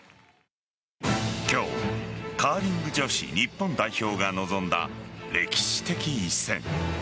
今日、カーリング女子日本代表が臨んだ歴史的一戦。